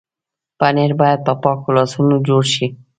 پنېر باید په پاکو لاسونو جوړ شي.